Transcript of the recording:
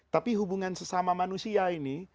tapi hubungan sesama manusia ini